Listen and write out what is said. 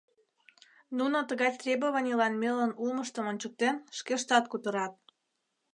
Нуно, тыгай требованийлан мелын улмыштым ончыктен, шкештат кутырат.